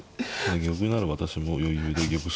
玉なら私も余裕で玉。